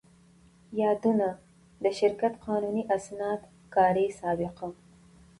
يادونه: د شرکت قانوني اسناد، کاري سابقه،